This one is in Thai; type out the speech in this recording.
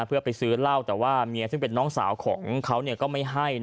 เพื่อไปซื้อเหล้าแต่ว่าเมียซึ่งเป็นน้องสาวของเขาก็ไม่ให้